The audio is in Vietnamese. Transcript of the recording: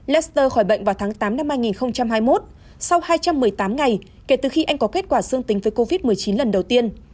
lester khỏi bệnh vào tháng tám năm hai nghìn hai mươi một sau hai trăm một mươi tám ngày kể từ khi anh có kết quả dương tính với covid một mươi chín lần đầu tiên